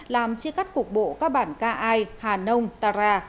làm chia cắt cục bộ các bản ca ai hà nông ta ra